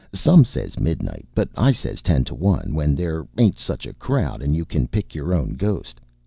"Some says midnight, but I says ten to one, when there ain't such a crowd, and you can pick your own ghost.